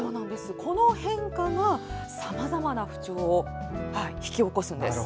この変化が、さまざまな不調を引き起こすんです。